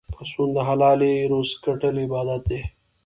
د حلالې روزۍ ګټل عبادت دی.